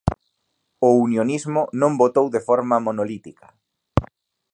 O unionismo non votou de forma monolítica.